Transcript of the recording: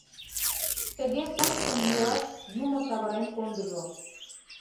Тыге кочкын-йӱаш юмо савырен кондыжо.